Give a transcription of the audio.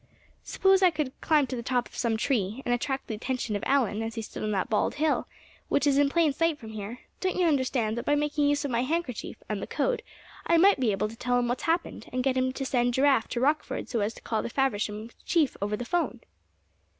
"Suppose I could climb to the top of some tree, and attract the attention of Allan, as he stood on that bald hill, which is in plain sight from here; don't you understand that by making use of my handkerchief, and the code, I might be able to tell him what's happened, and get him to send Giraffe to Rockford so as to call the Faversham Chief over the 'phone?"